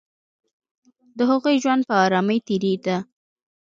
د هغوی ژوند په آرامۍ تېرېده